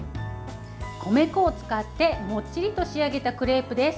米粉を使ってもっちりと仕上げたクレープです。